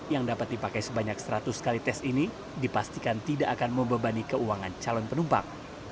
yang dapat dipakai sebanyak seratus kali tes ini dipastikan tidak akan membebani keuangan calon penumpang